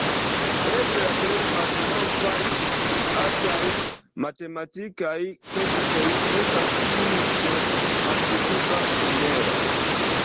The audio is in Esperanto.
Eble la plej malnovaj sciataj matematikaj tekstoj estas tiuj de antikva Sumero.